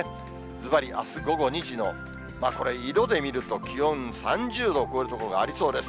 ずばり、あす午後２時の、これ、色で見ると気温３０度を超える所がありそうです。